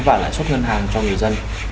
và lãi suất ngân hàng cho người dân